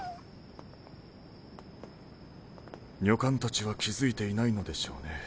女官たちは気付いていないのでしょうね。